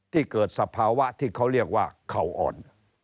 ที่เกิดสภาวะที่เขาเรียกว่าเขาอ่อน